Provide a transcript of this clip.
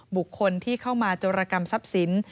บุคคลที่เข้ามาโจรกรรมทรัพย์สิน